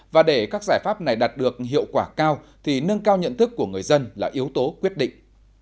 và để các giải pháp này đạt được hiệu quả cao thì nâng cao nhận thức của người dân là yếu tố quyết định